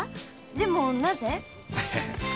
でもなぜ？